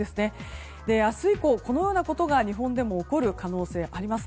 明日以降、このようなことが日本でも起こる可能性あります。